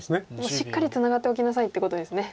しっかりツナがっておきなさいっていうことですね。